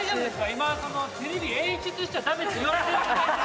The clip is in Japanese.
今テレビ演出しちゃ駄目って言われてる時代ですよ。